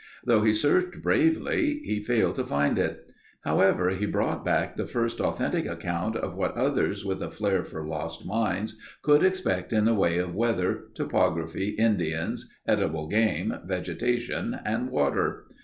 Though he searched bravely he failed to find it. However, he brought back the first authentic account of what others with a flair for lost mines could expect in the way of weather, topography, Indians, edible game, vegetation, and water.